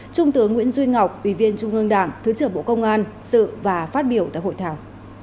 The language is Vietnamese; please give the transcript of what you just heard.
trung tướng nguyễn duy ngọc ủy viên trung ương đảng thứ trưởng bộ công an sự và phát biểu tại hội thảo